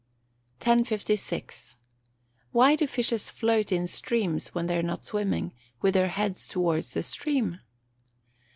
1056. _Why do fishes float in streams (when they are not swimming) with their heads towards the stream?